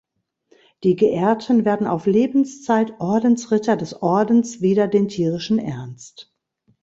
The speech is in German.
Die Geehrten werden auf Lebenszeit Ordensritter des Ordens wider den tierischen Ernst.